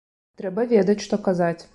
Трэба ведаць, што казаць.